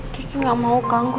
kiki gak mau ganggu